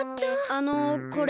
あのこれ。